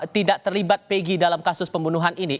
tidak terlibat pegi dalam kasus pembunuhan ini